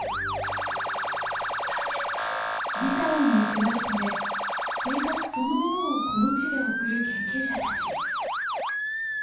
リカオンに迫るため生活そのものをこの地で送る研究者たち。